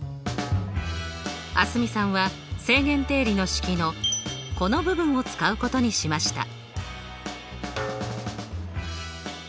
蒼澄さんは正弦定理の式のこの部分を使うことにしました。